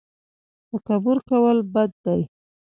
تکبر کول بد دي